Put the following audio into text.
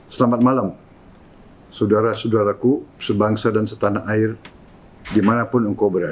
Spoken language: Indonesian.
selamat malam saudara saudaraku sebangsa dan setanah air dimanapun engkau berada